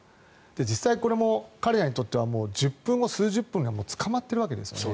実際、これも彼らにとっては１０分後、数十分後には捕まっているわけですね。